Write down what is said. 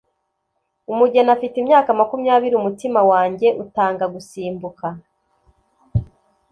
Umugeni afite imyaka makumyabiri umutima wanjye utanga gusimbuka